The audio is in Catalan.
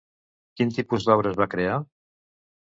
Quin tipus d'obres va crear?